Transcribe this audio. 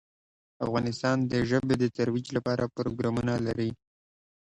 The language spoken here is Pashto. افغانستان د ژبې د ترویج لپاره پروګرامونه لري.